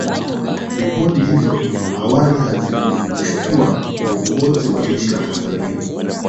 Ripoti hizo awali hazikuushtua uongozi wa jeshi la Tanzania